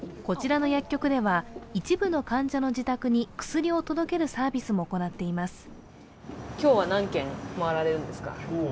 こちらの薬局では、一部の患者の自宅に薬を届けるサービスも行っています。